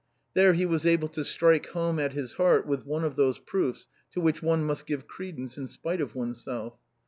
There he was able to strike home at his heart with one of those proofs to which one must give credence in spite of oneself.